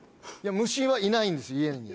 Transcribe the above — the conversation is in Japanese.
虫はいないんです家に。